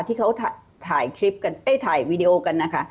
ที่เขาถ่ายคลิปกันถ่ายวีดีโอกันนะคะ